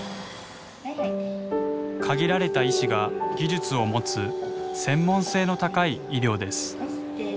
限られた医師が技術を持つ専門性の高い医療です。